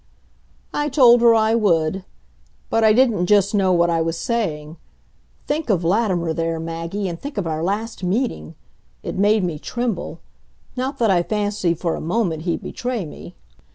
I told her I would. But I didn't just know what I was saying. Think of Latimer there, Maggie, and think of our last meeting! It made me tremble. Not that I fancied for a moment he'd betray me.